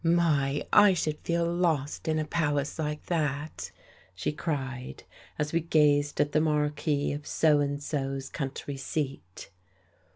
"My, I should feel lost in a palace like that!" she cried, as we gazed at the Marquis of So and So's country seat.